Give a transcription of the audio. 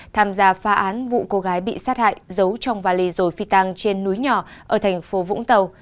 tham gia phá án vụ cô gái bị sát hại giấu trong và lì dồi phi tăng trên núi nhỏ ở tp vũng tàu